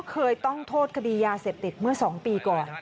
เคยต้องโทษคดียาเสพติดเมื่อ๒ปีก่อน